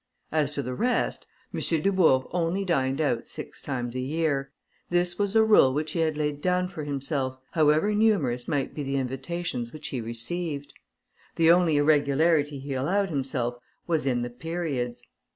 As to the rest, M. Dubourg only dined out six times a year; this was a rule which he had laid down for himself, however numerous might be the invitations which he received. The only irregularity he allowed himself was in the periods.